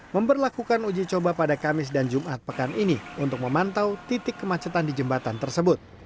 memperlakukan uji coba pada kamis dan jumat pekan ini untuk memantau titik kemacetan di jembatan tersebut